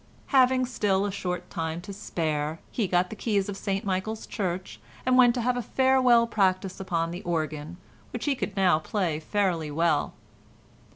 Having still a short time to spare, he got the keys of St Michael's church and went to have a farewell practice upon the organ, which he could now play fairly well.